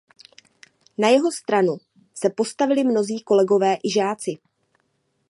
Na jeho stranu se postavili mnozí kolegové i žáci.